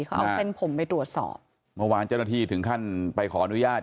เขาเอาเส้นผมไปตรวจสอบเมื่อวานเจ้าหน้าที่ถึงขั้นไปขออนุญาต